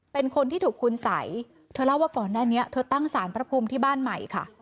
เป็นคนที่ถูกคุณสัยเธอเล่าว่าก่อนหน้านี้เธอตั้งสารพระภูมิที่บ้านใหม่ค่ะ